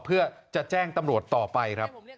เพื่อจะแจ้งตำรวจต่อไปครับ